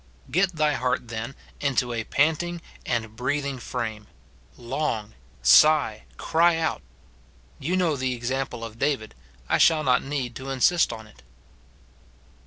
Get thy heart, then, into a panting and breathing 22 I 254 MORTIFICATION OF frame ; long, sigh, cry out. You know the example of David ; I shall not need to insist on it.